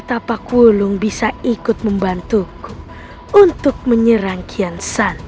jangan bangga dulu getsan